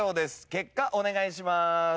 結果お願いします。